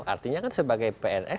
artinya kan sebagai pns